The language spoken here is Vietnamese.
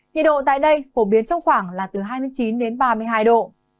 nhiệt độ tại đây phổ biến trong khoảng là từ hai mươi chín đến ba mươi hai độ